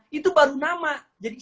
jadi siapa yang memberi namanya